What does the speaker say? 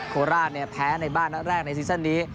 โคตรราชแพ้ในบ้านแรกในซีสันนี้